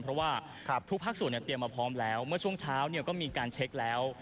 เพราะว่าทุกภาคส่วนเตรียมมาพร้อมแล้วเมื่อช่วงเช้าก็มีการเช็คแล้ว